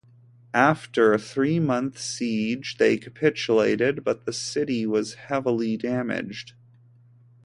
After a three-month siege they capitulated but the city was heavily damaged.